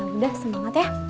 ya udah semangat ya